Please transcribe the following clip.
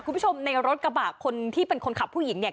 คุณผู้ชมในรถกระบะคนที่เป็นคนขับผู้หญิงเนี่ย